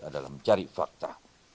dalam mencari fakta